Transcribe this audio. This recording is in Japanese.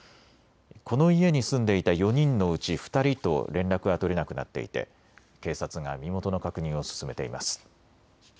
この家に住んでいた４人のうち２人と連絡が取れなくなっていて警察が身元の確認を進めています。